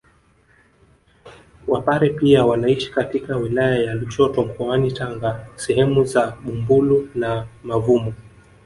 Wapare pia wanaishi katika wilaya ya Lushoto mkoani Tanga sehemu za Bumbuli na Mavumo